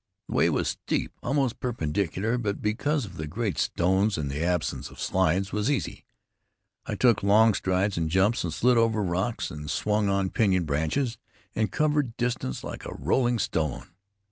The way was steep, almost perpendicular; but because of the great stones and the absence of slides, was easy. I took long strides and jumps, and slid over rocks, and swung on pinyon branches, and covered distance like a rolling stone.